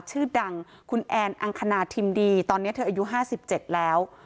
ชื่อดังคุณแอนอังคณาทิมดีตอนนี้เธออายุ๕๗แล้ว